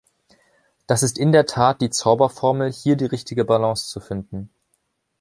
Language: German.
Das ist in der Tat die Zauberformel, hier die richtige Balance zu finden.